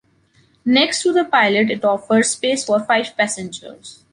Next to the pilot it offers space for five passengers.